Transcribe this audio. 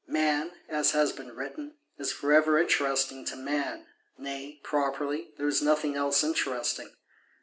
"Man," as has been written, "is for ever interesting to man; nay properly there is nothing else interesting."